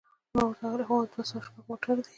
ما ورته وویل: هو، دوه سوه شپږ موټر دی.